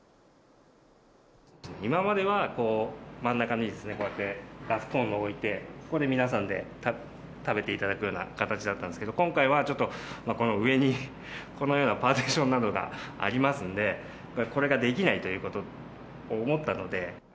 今までは、真ん中にこうやってガスコンロを置いて、ここで皆さんで食べていただくような形だったんですけど、今回はちょっと、この上に、このようなパーティションなどがありますので、これができないということを思ったので。